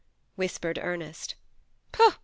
" whispered Ernest '' Fho !